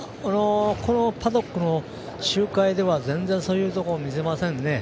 このパドックの周回では全然、そういうとこを見せませんね。